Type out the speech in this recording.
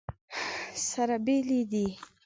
سره بېلې دي.